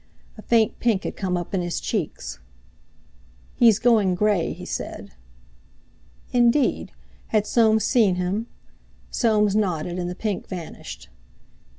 A faint pink had come up in his cheeks. "He's going grey," he said. Indeed! Had Soames seen him? Soames nodded, and the pink vanished.